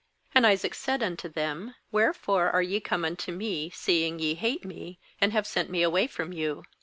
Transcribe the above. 27And Isaac said unto them: 1 Wherefore are ye come unto me, see ing ye hate me, and have sent me away from you?'